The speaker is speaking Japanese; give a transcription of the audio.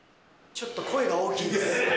ちょっと声が大きいです。